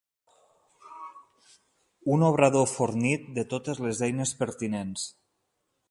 Un obrador fornit de totes les eines pertinents.